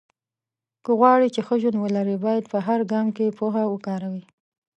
که غواړې چې ښه ژوند ولرې، باید په هر ګام کې پوهه وکاروې.